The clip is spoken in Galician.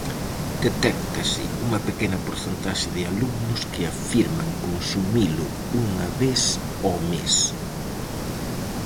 Detéctase unha pequena porcentaxe de alumnos que afirman consumilo unha vez ao mes.